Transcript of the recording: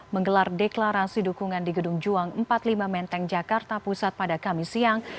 menggelar deklarasi dukungan di gedung juang empat puluh lima menteng jakarta pusat pada kamis siang